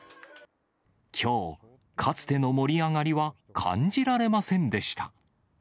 きょう、かつての盛り上がりは感じられませんでした。